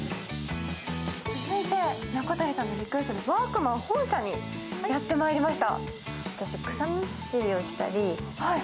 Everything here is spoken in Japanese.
続いて中谷さんのリクエストのワークマン本社にやってまいりました。